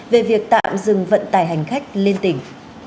về việc tạm dừng vận tải hành khách liên tỉnh